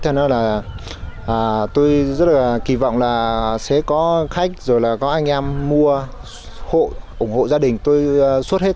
thế là tôi rất là kỳ vọng là sẽ có khách rồi là có anh em mua hộ ủng hộ gia đình tôi suốt hết